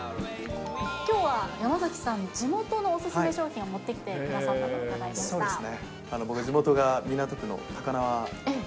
きょうは山崎さん、地元のお勧め商品を持ってきてくださったとお伺いしました。